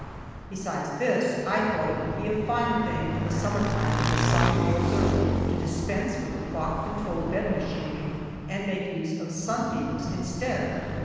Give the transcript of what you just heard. Besides this, I thought it would be a fine thing in the summer time when the sun rose early, to dispense with the clock controlled bed machinery, and make use of sunbeams instead.